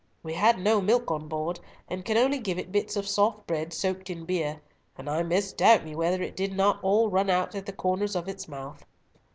We had no milk on board, and could only give it bits of soft bread soaked in beer, and I misdoubt me whether it did not all run out at the corners of its mouth."